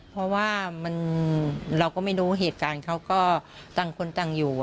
เพราะว่าเราก็ไม่รู้เหตุการณ์เขาก็ต่างคนต่างอยู่